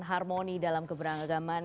harmoni dalam keberagaman